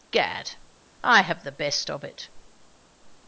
Gad, I have the best of it.